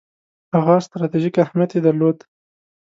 هغه ستراتیژیک اهمیت یې درلود.